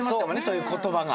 そういう言葉が。